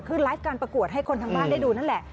คือไลฟ์การประกวดให้คนทางบ้านได้ดูนั่นแหละ